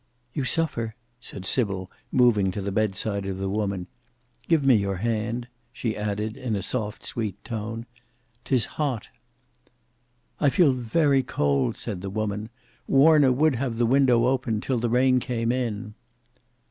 "You suffer?" said Sybil, moving to the bed side of the woman; "give me your hand," she added in a soft sweet tone. "'Tis hot." "I feel very cold," said the woman. "Warner would have the window open, till the rain came in."